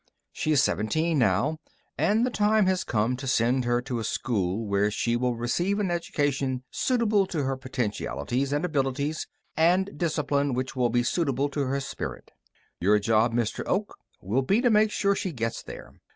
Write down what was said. She is seventeen now, and the time has come to send her to a school where she will receive an education suitable to her potentialities and abilities, and discipline which will be suitable to her spirit. "Your job, Mr. Oak, will be to make sure she gets there.